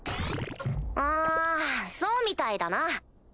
あそうみたいだな。